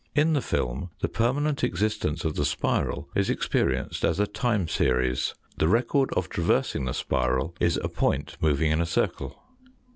In the film the permanent existence of the spiral is experienced as a time series the record of traversing the spiral is a point Fi J 4 moving in a circle.